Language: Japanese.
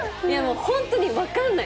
本当にわかんない。